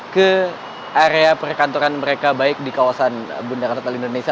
ke area perkantoran mereka baik di kawasan bundaran hotel indonesia